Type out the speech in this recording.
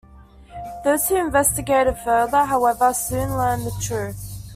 Those who investigated further, however, soon learned the truth.